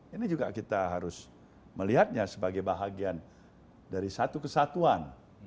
ini juga kita harus melihatnya sebagai bahagian dari satu kesatuan